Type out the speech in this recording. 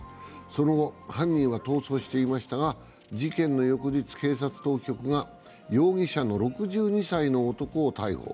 その後、犯人は逃走していましたが事件の翌日、警察当局が容疑者の６２歳の男を逮捕。